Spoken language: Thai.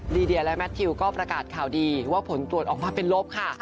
ีเดียและแมททิวก็ประกาศข่าวดีว่าผลตรวจออกมาเป็นลบค่ะ